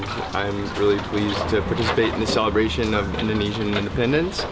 saya sangat senang untuk berpartisipasi di pembayaran kemerdekaan indonesia